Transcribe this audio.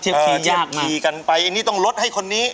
เทียบคลียากมาก